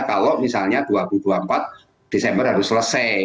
kalau misalnya dua ribu dua puluh empat desember harus selesai